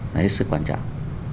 là hết sức quan trọng